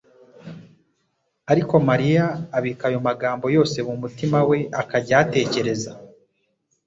Ariko Mariya abika ayo magambo yose mu mutima we akajya ayatekereza.